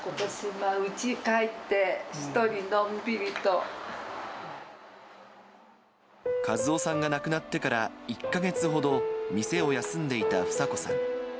うち帰って、和雄さんが亡くなってから１か月ほど店を休んでいた房子さん。